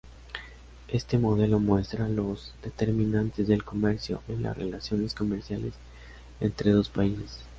Este modelo muestra los determinantes del comercio en las relaciones comerciales entre dos países.